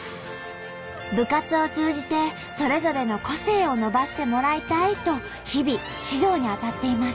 部活を通じてそれぞれの個性を伸ばしてもらいたいと日々指導に当たっています。